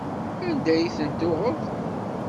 Anda ay tent-tuɣeḍ?